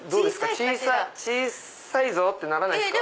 小さいぞ！ってならないですか？